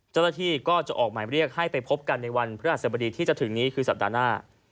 เจ้าหน้าที่ก็จะออกหมายเรียกให้ไปพบกันในวันพฤหัสบดีที่จะถึงนี้คือสัปดาห์หน้า